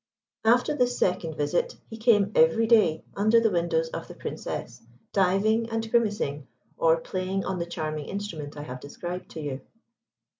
After this second visit, he came every day under the windows of the Princess, diving and grimacing, or playing on the charming instrument I have described to you.